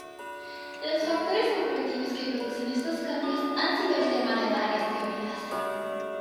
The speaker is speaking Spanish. Los factores evolutivos que producen estos cambios, han sido el tema de varias teorías.